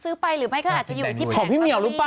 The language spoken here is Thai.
ไปหรือไม่ก็อาจจะอยู่ที่แผงพี่เหมียวหรือเปล่า